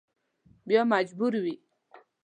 بیا مجبور وي.